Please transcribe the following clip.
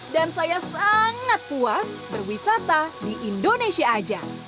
dan saya sangat puas berwisata di indonesia saja